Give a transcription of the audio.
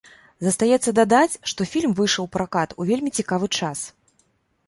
Застаецца дадаць, што фільм выйшаў у пракат у вельмі цікавы час.